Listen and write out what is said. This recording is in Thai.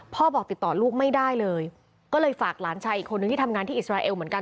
บอกติดต่อลูกไม่ได้เลยก็เลยฝากหลานชายอีกคนนึงที่ทำงานที่อิสราเอลเหมือนกัน